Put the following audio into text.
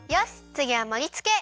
つぎはもりつけ！